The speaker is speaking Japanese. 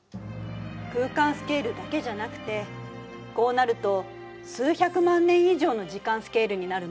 空間スケールだけじゃなくてこうなると数百万年以上の時間スケールになるの。